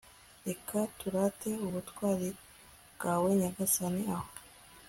reka turate ubutwari bwawe nyagasani, aho